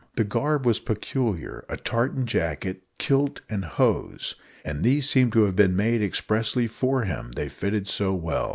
The garb was peculiar a tartan jacket, kilt, and hose; and these seemed to have been made expressly for him, they fitted so well.